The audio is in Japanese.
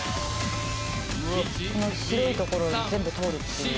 「この白いところを全部通るっていう」